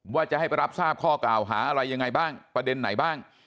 ว่าจะให้ไปรับทราบข้อกล่าวหาอะไรยังไงบ้างประเด็นไหนบ้าง